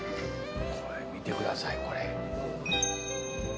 これ見てくださいこれ。